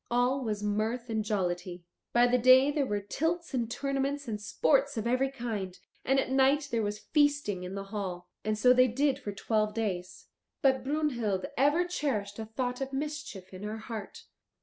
All was mirth and jollity. By the day there were tilts and tournaments and sports of every kind, and at night there was feasting in the hall. And so they did for twelve days. But Brunhild ever cherished a thought of mischief in her heart.